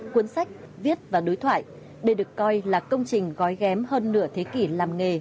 cuốn sách viết và đối thoại đây được coi là công trình gói ghém hơn nửa thế kỷ làm nghề